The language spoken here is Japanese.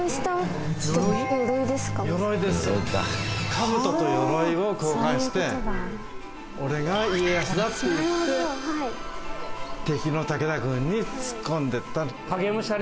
兜と鎧を交換して「俺が家康だ」って言って敵の武田軍に突っ込んでった。